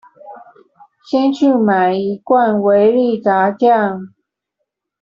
先去買一罐維力炸醬